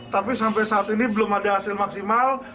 tapi sampai saat ini belum ada hasil maksimal